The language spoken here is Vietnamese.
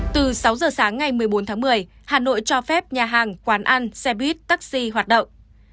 từ sáu giờ sáng ngày một mươi bốn tháng một mươi hà nội cho phép nhà hàng quán ăn xe buýt taxi hoạt động